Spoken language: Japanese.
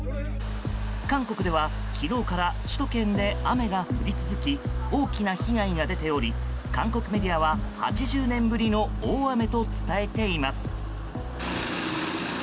韓国では昨日から首都圏で雨が降り続き大きな被害が出ており韓国メディアは８０年ぶりの大雨と伝えています。